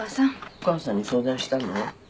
お母さんに相談したの？